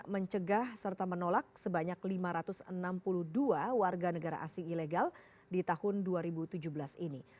mencegah serta menolak sebanyak lima ratus enam puluh dua warga negara asing ilegal di tahun dua ribu tujuh belas ini